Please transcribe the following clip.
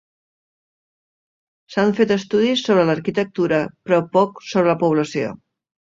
S'han fet estudis sobre l'arquitectura però poc sobre la població.